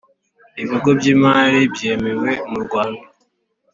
ibigo by imari byemewe mu Rwanda